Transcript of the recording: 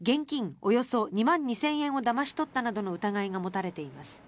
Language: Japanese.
およそ２万２０００円をだまし取ったなどの疑いが持たれています。